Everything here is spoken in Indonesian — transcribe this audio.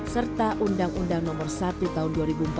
serta undang undang nomor satu tahun dua ribu empat belas